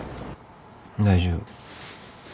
大丈夫。